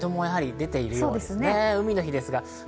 人もやはり出ているようですね、海の日です。